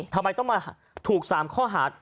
ทำไมต้องมาถูก๓ข้อหา